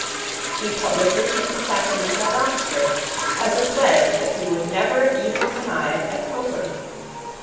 He publicly took the sacrament at Oxford, as a pledge that he never would even connive at Popery.